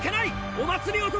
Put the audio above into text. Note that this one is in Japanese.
お祭り男